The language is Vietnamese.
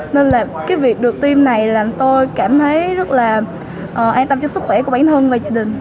nên là cái việc được tiêm này là tôi cảm thấy rất là an tâm cho sức khỏe của bản thân và gia đình